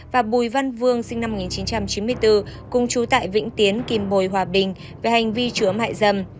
và bùi văn vương sinh năm một nghìn chín trăm chín mươi bốn cùng chú tại vĩnh tiến kim bồi hòa bình về hành vi chứa mại dâm